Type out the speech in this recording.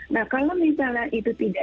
nah kalau misalnya itu tidak